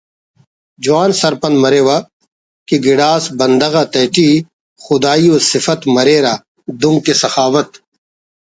جوان سرپند مریوہ کہ گڑاس بندغ آتیٹی خدائی ءُ سفت مریرہ دنکہ سخاوت